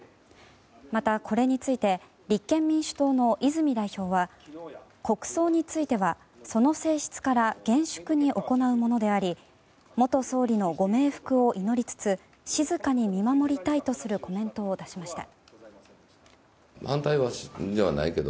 また、これについて立憲民主党の泉代表は国葬については、その性質から厳粛に行うものであり元総理のご冥福を祈りつつ静かに見守りたいとするコメントを出しました。